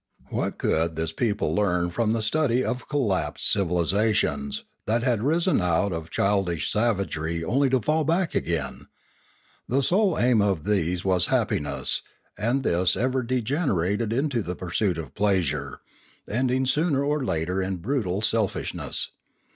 What could this people learn from the study of lapsed civilisations, that had risen out of childish savagery only to fall back again ? The sole aim of these was happiness, and this ever degenerated into the pursuit of pleasure, ending sooner or later in brutal selfishness.